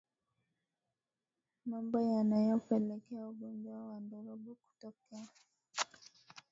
Mambo yanayopelekea ugonjwa wa ndorobo kutokea